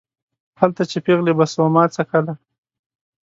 هلته چې پېغلې به سوما څکله